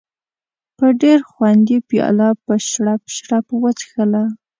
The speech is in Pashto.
په ډېر خوند یې پیاله په شړپ شړپ وڅښله.